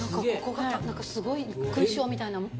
ここが何かすごい勲章みたいな。